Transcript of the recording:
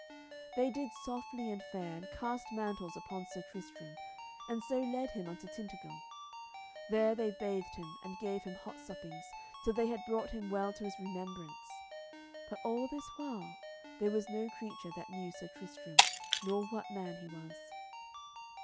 They did softly and fair, and cast mantles upon Sir Tristram, and so led him unto Tintagil. There they bathed him, and gave him hot suppings, till they had brought him well to his remembrance. But all this while there was no creature that knew Sir Tristram, nor what man he was.